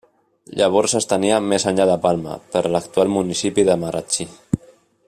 Llavors s'estenia més enllà de Palma, per l'actual municipi de Marratxí.